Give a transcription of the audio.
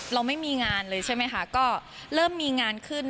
เราไม่มีงานเลยใช่ไหมคะก็เริ่มมีงานขึ้น